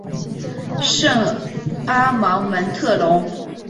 圣阿芒蒙特龙。